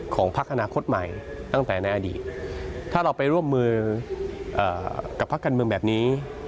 พักอนาคตใหม่ตั้งแต่ในอดีตถ้าเราไปร่วมมือกับพักการเมืองแบบนี้